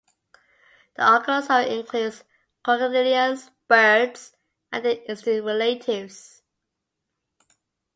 The Archosauria includes crocodylians, birds, and their extinct relatives.